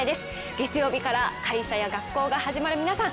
月曜日から会社や学校が始まる皆さん